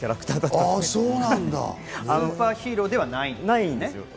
スーパーヒーローではないんですね。